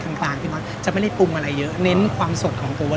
กลางกลางที่มันจะไม่ได้ปรุงอะไรเยอะเน้นความสดของเป็นแล้ว